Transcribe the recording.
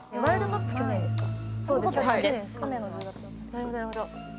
なるほどなるほど。